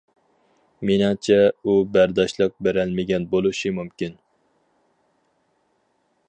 مېنىڭچە ئۇ بەرداشلىق بېرەلمىگەن بولۇشى مۇمكىن.